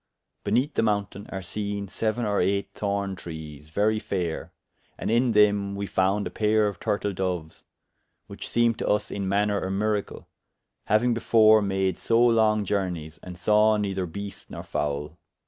Beneath the mountaine are seene seuen or eyght thorne trees, very fayre, and in them we found a payre of turtle doues, which seemed to vs in maner a miracle, hauying before made so long journeyes, and sawe neyther beast nor foule.